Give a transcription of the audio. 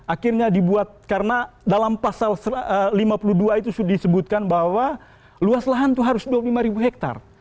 akhirnya dibuat karena dalam pasal lima puluh dua itu disebutkan bahwa luas lahan itu harus dua puluh lima ribu hektare